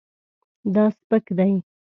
دا سپک دی